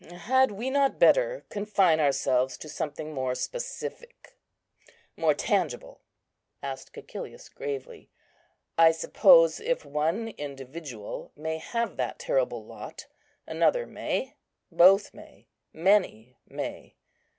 "Had we not better confine ourselves to something more specific, more tangible?" asked Cæcilius, gravely. "I suppose if one individual may have that terrible lot, another may—both may, many may.